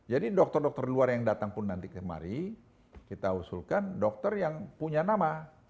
jadi dokter dokter luar yang datang pun nanti kemari kita usulkan dokter yang punya nama